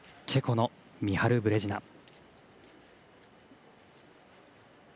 チェコのミハル・ブレジナ。